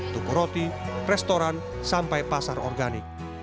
toko roti restoran sampai pasar organik